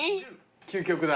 究極だ。